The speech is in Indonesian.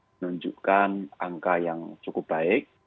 menunjukkan angka yang cukup baik